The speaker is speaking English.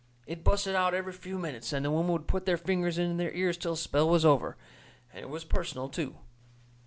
It busted out every few minutes, and the women would put their fingers into their ears till a spell was over. And it was personal, too.